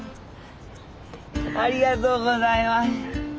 ありがとうございます。